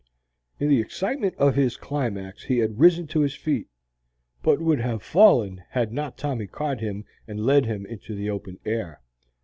In the excitement of his climax he had risen to his feet, but would have fallen had not Tommy caught him and led him into the open air.